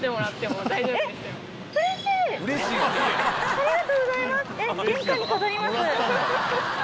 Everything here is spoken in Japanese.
ありがとうございます！